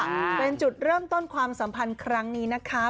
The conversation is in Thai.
เป็นจุดเริ่มต้นความสัมพันธ์ครั้งนี้นะคะ